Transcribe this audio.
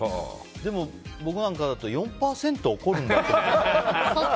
でも、僕なんかだと４％は起こるんだって。